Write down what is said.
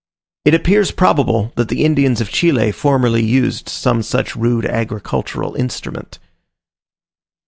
It appears probable that the Indians of Chile formerly used some such rude agricultural instrument.